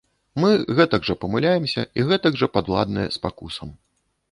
Мы гэтак жа памыляемся і гэтак жа падуладныя спакусам.